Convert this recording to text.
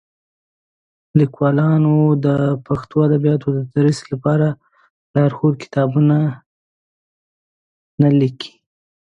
لیکوالان د پښتو ادبیاتو د تدریس لپاره لارښود کتابونه نه لیکي.